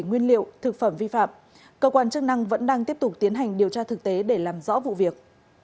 nguyên liệu thực phẩm vi phạm cơ quan chức năng vẫn đang tiếp tục tiến hành điều tra thực tế để làm rõ vụ việc